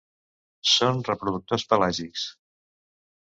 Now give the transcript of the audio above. Són reproductors pelàgics.